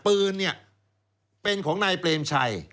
ปืนเนี่ยเป็นของนายเปรมชัย